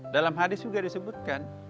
dalam hadis juga disebutkan